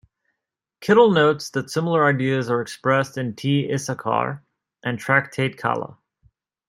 Kittle notes that similar ideas are expressed in T. Issachar and Tractate Kalla.